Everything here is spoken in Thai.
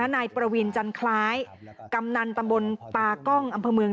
นายประวินจันคล้ายกำนันตำบลตากล้องอำเภอเมือง